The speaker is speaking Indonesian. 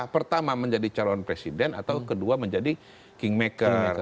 pertama menjadi calon presiden atau kedua menjadi kingmaker